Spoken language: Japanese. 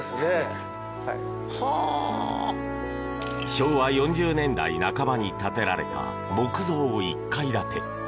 昭和４０年代半ばに建てられた木造１階建て。